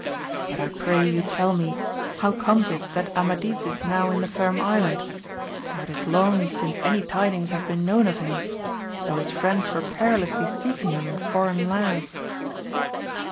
But I pray you tell me how comes it that AmadiB is now in the firm Island, for it is long since any tidings have been known of him, though his friends were perilously .seeking him in foreign lands.